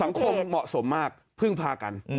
สังคมเหมาะสมมากพึ่งพากัน